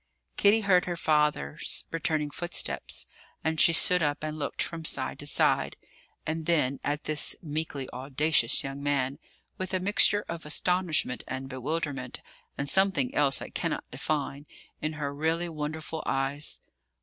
Kitty heard her father's returning footsteps, and she stood up and looked from side to side, and then at this meekly audacious young man, with a mixture of astonishment and bewilderment and something else I cannot define in her really wonderful eyes.